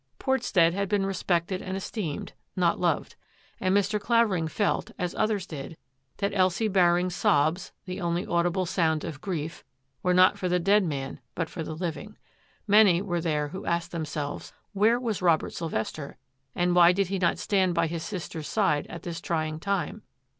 Portstead had been respected and esteemed, not loved; and Mr. Clavering felt, as others did, that Elsie Baring's sobs, the only audible sound of grief, were not for the dead man but for the liv ing. Many were there who asked themselves, " Where was Robert Sylvester and why did he not stand by his sister's side at this trying time